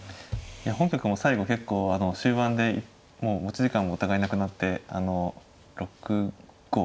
本局も最後結構終盤でもう持ち時間もお互いなくなってあの６五